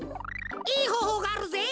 いいほうほうがあるぜ！